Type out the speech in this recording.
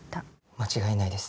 間違いないです。